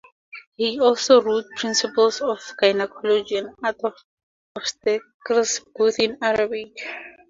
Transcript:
He also wrote Principles of Gynaecology and the Art of Obstetrics, both in Arabic.